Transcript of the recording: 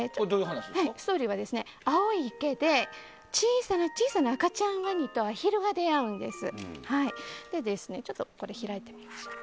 ストーリーは、青い池で小さな小さな赤ちゃんワニとアヒルが出会うんです。